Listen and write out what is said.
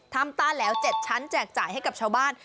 ตาแหลว๗ชั้นแจกจ่ายให้กับชาวบ้าน